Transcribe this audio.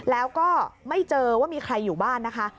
แล้วก็ไม่เจอว่ามีใครอยู่บ้านนะคะ